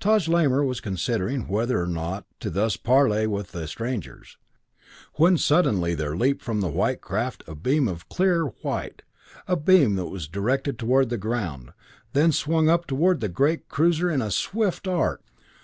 Taj Lamor was considering whether or not to thus parley with the strangers, when suddenly there leaped from the white craft a beam of clear white a beam that was directed toward the ground, then swung up toward the great cruiser in a swift arc!